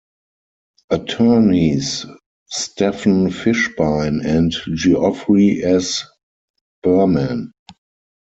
Attorneys Stephen Fishbein and Geoffrey S. Berman.